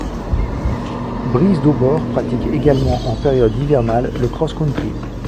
Brice Daubord pratique également en période hivernale le cross-country.